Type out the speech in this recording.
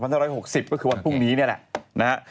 ๒๑พฤศจิกายน๒๖๖๐ก็คือวันพรุ่งนี้นี่แหละนะครับ